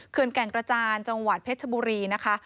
แก่งกระจานจังหวัดเพชรชบุรีนะคะ